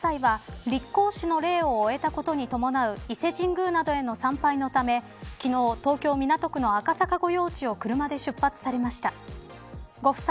秋篠宮ご夫妻は、立皇嗣の礼を終えたことに伴う伊勢神宮などへの参拝のため昨日、東京港区の赤坂御用地を車で出発されました。